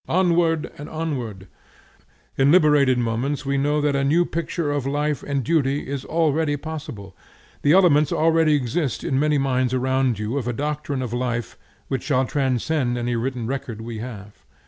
Onward and onward! In liberated moments we know that a new picture of life and duty is already possible; the elements already exist in many minds around you of a doctrine of life which shall transcend any written record we have.